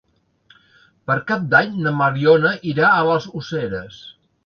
Per Cap d'Any na Mariona irà a les Useres.